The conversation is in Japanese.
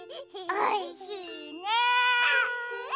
おいしいね！